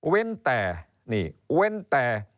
เว้นแต่นี่เว้นแต่